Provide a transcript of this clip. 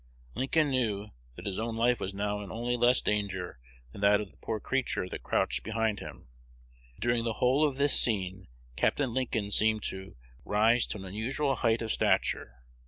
Lincoln knew that his own life was now in only less danger than that of the poor creature that crouched behind him. During the whole of this scene Capt. Lincoln seemed to "rise to an unusual height" of stature.